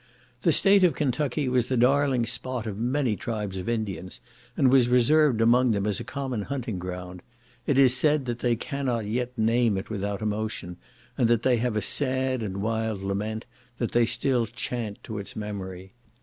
The State of Kentucky was the darling spot of many tribes of Indians, and was reserved among them as a common hunting ground; it is said that they cannot yet name it without emotion, and that they have a sad and wild lament that they still chaunt to its memory.